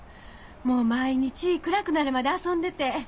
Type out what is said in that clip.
もう毎日暗くなるまで遊んでて。